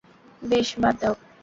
বেশ, বাদ দাও।